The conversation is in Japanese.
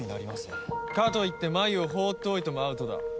かといって繭を放っておいてもアウトだ。